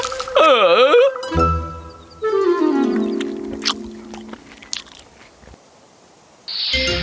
aku akan mencari